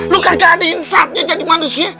lu kagak ada insafnya jadi manusia